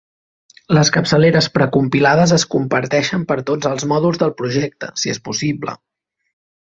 Les capçaleres precompilades es comparteixen per a tots els mòduls del projecte, si és possible.